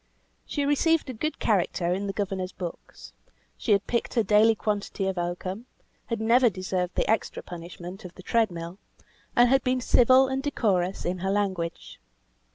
She received a good character in the governor's books; she had picked her daily quantity of oakum, had never deserved the extra punishment of the tread mill, and had been civil and decorous in her language.